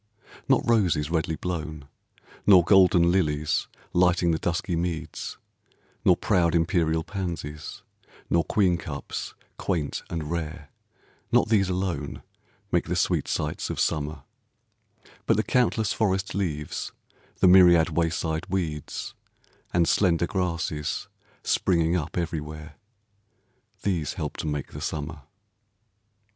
Not roses redly blown, Nor golden lilies, lighting the dusky meads, Nor proud imperial pansies, nor queen cups quaint and rare Not these alone Make the sweet sights of summer But the countless forest leaves, the myriad wayside weeds And slender grasses, springing up everywhere These help to make the summer.